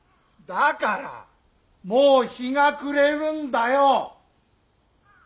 だからもう日が暮れるんだよ。